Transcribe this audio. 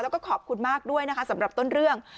แล้วก็ขอบคุณมากด้วยนะคะสำหรับต้นเรื่อง